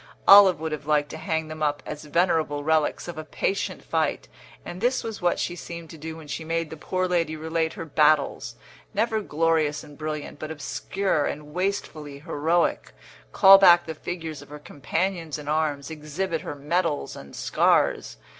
Olive would have liked to hang them up as venerable relics of a patient fight, and this was what she seemed to do when she made the poor lady relate her battles never glorious and brilliant, but obscure and wastefully heroic call back the figures of her companions in arms, exhibit her medals and scars.